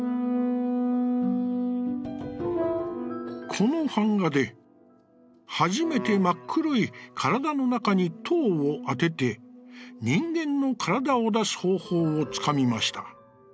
「この板画で、はじめてまっ黒い身体の中に刀をあてて、人間の身体を出す方法をつかみました。